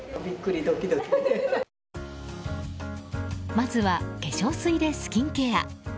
まずは化粧水でスキンケア。